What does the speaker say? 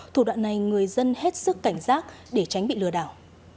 thủ đoạn này người dân hết sức cảnh giác để tránh bị lừa đảo